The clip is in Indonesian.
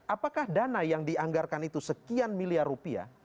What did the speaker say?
apakah dana yang dianggarkan itu sekian miliar rupiah